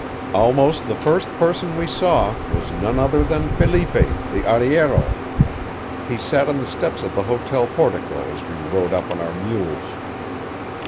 Almost the first person we saw was none other than Felipe, the arriero. He sat on the steps of the hotel portico as we rode up on our mules.